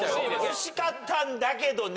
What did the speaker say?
惜しかったんだけどね。